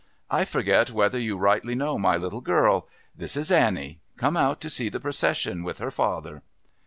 I forget whether you rightly know my little girl. This is Annie come out to see the procession with her father."